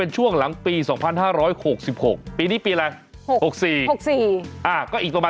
สวัสดีคุณชิสานะฮะสวัสดีคุณชิสานะฮะ